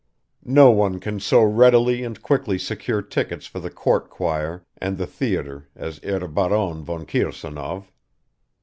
No one can so readily and quickly secure tickets for the court choir and the theater as the Herr Baron von Kirsanov.